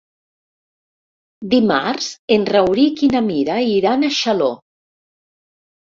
Dimarts en Rauric i na Mira iran a Xaló.